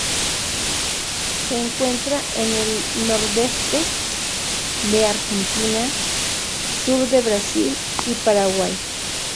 Se encuentra en el nordeste de Argentina, sur de Brasil y Paraguay.